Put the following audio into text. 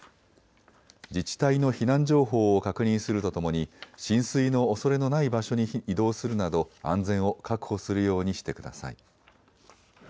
自治体の避難情報を確認するとともに浸水のおそれのない場所に移動するなど安全を確保するようにしてください。